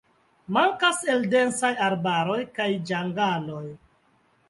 Mankas el densaj arbaroj kaj ĝangaloj.